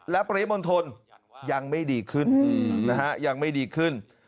และปริโมนทลยังไม่ดีขึ้น